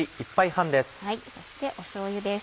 そしてしょうゆです。